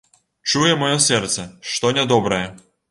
Чуе маё сэрца, што нядобрае.